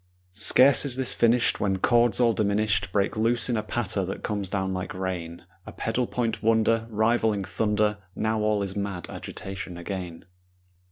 Scarce is this finished When chords all diminished Break loose in a patter that comes down like rain, A pedal point wonder Rivaling thunder. Now all is mad agitation again.